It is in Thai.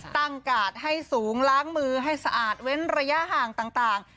กาดให้สูงล้างมือให้สะอาดเว้นระยะห่างต่าง